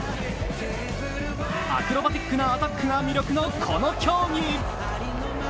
アクロバティックなアタックが魅力のこの競技。